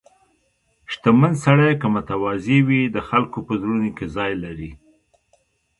• شتمن سړی که متواضع وي، د خلکو په زړونو کې ځای لري.